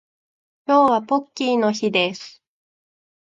今日はポッキーの日です